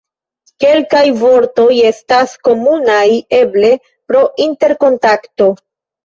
Kelkaj vortoj estas komunaj, eble pro interkontakto.